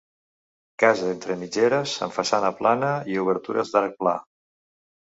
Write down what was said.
Casa entre mitgeres amb façana plana i obertures d'arc pla.